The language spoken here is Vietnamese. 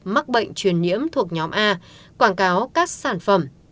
mắc bệnh truyền nhiễm thuộc nhóm a quảng cáo các sản phẩm